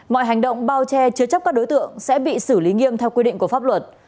mọi hành động bao che chứa chấp các đối tượng sẽ bị xử lý nghiêm theo quy định của pháp luật